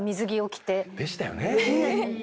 でしたよね。